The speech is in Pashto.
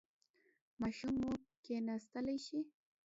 ماشوم مو کیناستلی شي؟